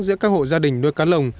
giữa các hộ gia đình nuôi cá lồng